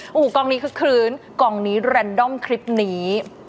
โอ้โหกล่องนี้คืนกล่องนี้แรนดอมคลิปนี้